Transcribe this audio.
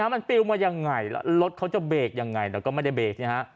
มันปลิวมายังไงแล้วรถเขาจะเบรกยังไงแต่ก็ไม่ได้เบรกนะฮะ